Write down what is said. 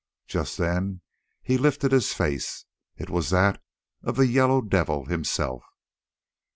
Just then he lifted his face—it was that of the Yellow Devil himself.